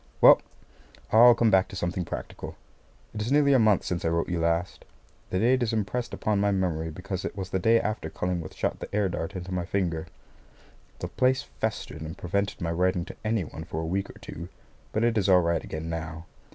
Well, now, I'll come back to something practical. It is nearly a month since I wrote to you last. The date is impressed upon my memory because it was the day after Cullingworth shot the air dart into my finger. The place festered and prevented my writing to any one for a week or two, but it is all right again now.